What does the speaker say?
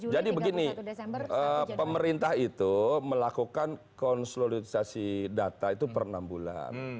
jadi begini pemerintah itu melakukan konsolidasi data itu per enam bulan